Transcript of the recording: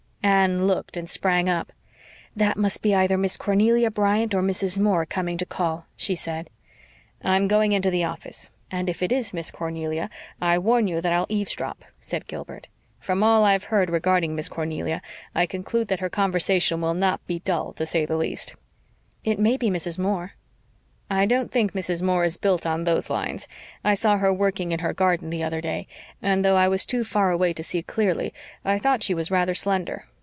Anne looked and sprang up. "That must be either Miss Cornelia Bryant or Mrs. Moore coming to call," she said. "I'm going into the office, and if it is Miss Cornelia I warn you that I'll eavesdrop," said Gilbert. "From all I've heard regarding Miss Cornelia I conclude that her conversation will not be dull, to say the least." "It may be Mrs. Moore." "I don't think Mrs. Moore is built on those lines. I saw her working in her garden the other day, and, though I was too far away to see clearly, I thought she was rather slender.